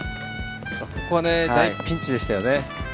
ここはピンチでしたよね。